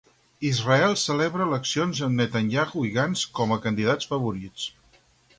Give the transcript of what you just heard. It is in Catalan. Israel celebra eleccions amb Netanyahu i Gantz com a candidats favorits.